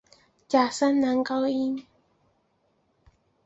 假声男高音。